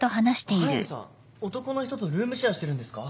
速見さん男の人とルームシェアしてるんですか？